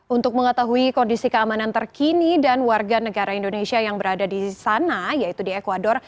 untuk mengetahui kondisi keamanan terkini dan warga negara indonesia yang berada di sana yaitu di ecuador